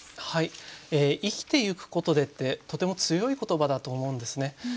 はい「生きていくことで」ってとても強い言葉だと思うんですね。